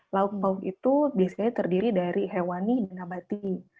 lauk lauk itu biasanya terdiri dari hewani dan abadi